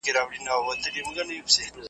چي تر سترګو یې توییږي لپي ویني .